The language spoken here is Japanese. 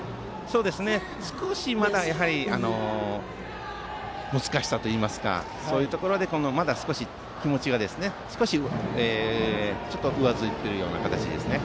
少し、難しさというかそういうところでまだ少し気持ちが上ずっている形ですね。